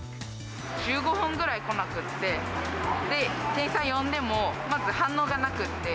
１５分くらい来なくって、で、店員さん呼んでも、まず反応がなくって。